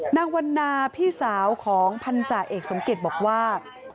วันนาพี่สาวของพันธาเอกสมเกตบอกว่า